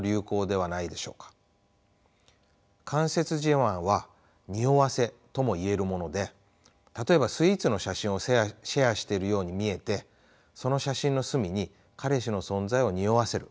間接自慢は「におわせ」とも言えるもので例えばスイーツの写真をシェアしているように見えてその写真の隅に彼氏の存在をにおわせる。